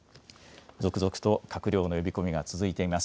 続々と閣僚の呼び込みが続いています。